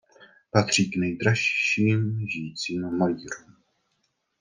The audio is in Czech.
Patří k nejdražším žijícím malířům.